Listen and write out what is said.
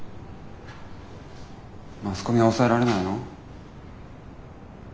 マスコミはおさえられないの？